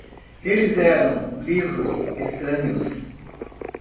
Eles eram livros estranhos.